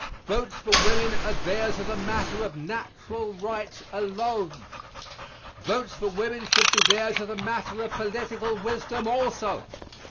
Votes for women are theirs as a matter of natural right alone; votes for women should be theirs as a matter of political wisdom also.